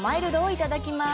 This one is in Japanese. いただきます。